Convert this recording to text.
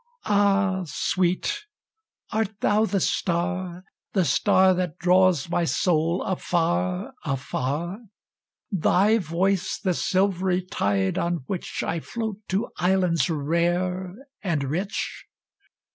Ah, sweet, art thou the star, the starThat draws my soul afar, afar? Thy voice the silvery tide on whichI float to islands rare and rich?